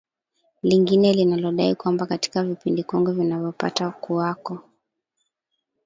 lingine linalodai kwamba katika vipindi kongwe vilivyopatakuwako